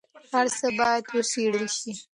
هر څه باید وڅېړل سي.